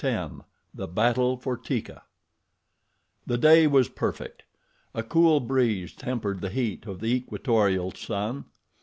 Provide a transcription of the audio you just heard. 10 The Battle for Teeka THE DAY WAS perfect. A cool breeze tempered the heat of the equatorial sun.